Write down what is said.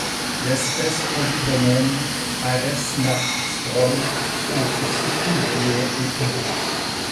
L’espèce Polygonum arenastrum couvre surtout juillet et août.